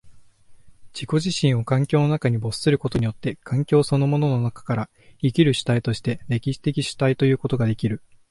自己自身を環境の中に没することによって、環境そのものの中から生きる主体にして、歴史的主体ということができる。